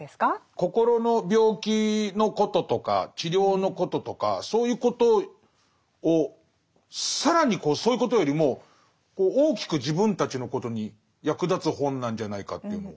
心の病気のこととか治療のこととかそういうことを更にそういうことよりも大きく自分たちのことに役立つ本なんじゃないかというのを。